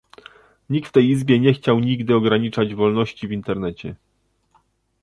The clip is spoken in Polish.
Nikt w tej Izbie nie chciał nigdy ograniczać wolności w Internecie